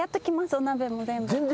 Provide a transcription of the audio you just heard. お鍋も全部。